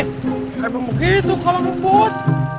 emang begitu kalau ngapain